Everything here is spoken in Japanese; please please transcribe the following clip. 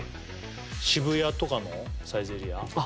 渋谷とかのサイゼリヤ？